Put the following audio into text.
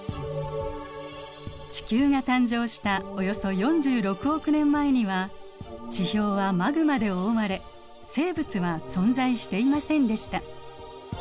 地球が誕生したおよそ４６億年前には地表はマグマで覆われ生物は存在していませんでした。